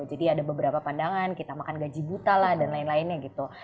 jadi ada beberapa pandangan kita makan gaji buta lah dan lain lainnya gitu